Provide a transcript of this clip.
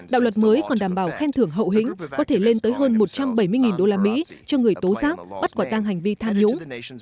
đạo luật mới còn đảm bảo khen thưởng hậu hình có thể lên tới hơn một trăm bảy mươi đô la mỹ cho người tố xác bắt quà tặng hành vi tham nhũng